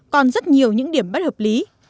còn rất nhiều những điểm bất hợp lý